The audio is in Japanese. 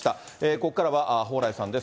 ここからは蓬莱さんです。